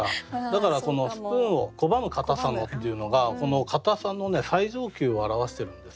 だからこの「スプーンを拒む固さの」っていうのがこの固さのね最上級を表してるんですよ。